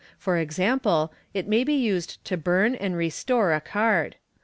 For example, it may be used to burn and restore a card.